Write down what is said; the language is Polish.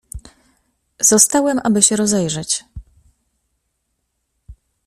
"Zostałem, aby się rozejrzeć."